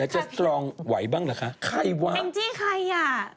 จะสร้างไหวบ้างเหรอคะใครวะอเรนนี่ใครอ่ะ